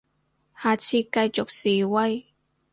下次繼續示威